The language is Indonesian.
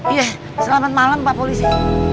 iya selamat malam pak polisi